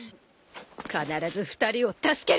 必ず２人を助ける！